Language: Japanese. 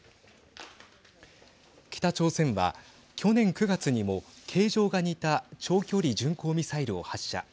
北朝鮮は去年９月にも形状が似た長距離巡行ミサイルを発射。